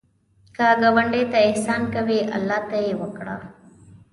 که ګاونډي ته احسان کوې، الله ته یې وکړه